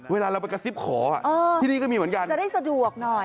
เวลาเราไปกระซิบขอที่นี่ก็มีเหมือนกัน